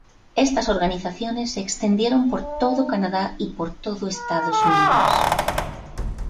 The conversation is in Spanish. Estas organizaciones se extendieron por todo Canadá y por todo Estados Unidos.